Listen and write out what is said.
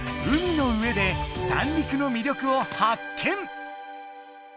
海の上で三陸の魅力を発見！